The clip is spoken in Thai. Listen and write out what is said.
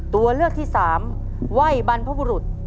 ตัวเลือกที่สามไหว้บรรพบุรุษ